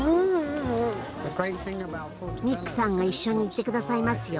ミックさんが一緒に行って下さいますよ。